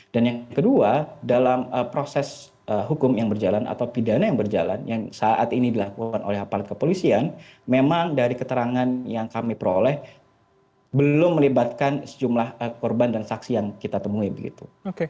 yang kedua dalam proses hukum yang berjalan atau pidana yang berjalan yang saat ini dilakukan oleh aparat kepolisian memang dari keterangan yang kami peroleh belum melibatkan sejumlah korban dan saksi yang kita temui begitu